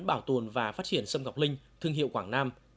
bảo tồn và phát triển sâm ngọc linh thương hiệu quảng nam